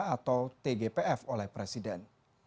atau tgpf oleh presiden